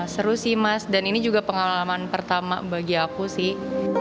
seru sih mas dan ini juga pengalaman pertama bagi aku sih